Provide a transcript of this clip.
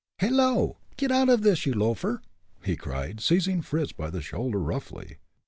"Hello! get out of this, you loafer!" he cried seizing Fritz by the shoulder, roughly.